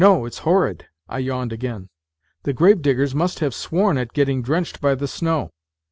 ' No, it's horrid." (I yawned again.) " The gravediggers must have sworn at getting drenched by the snow.